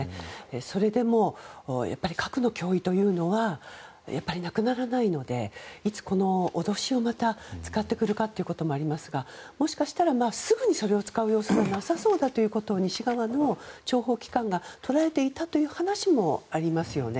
それでも、核の脅威というのはなくならないのでいつ、この脅しをまた使ってくるかもありますがもしかしたらすぐにそれを使う様子もなさそうだということも西側の諜報機関がとらえていたという話もありますよね。